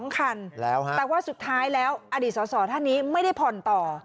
๒คันแล้วว่าสุดท้ายแล้วอดิษฐสนธนียนต์ไม่ได้ผ่อนต่อ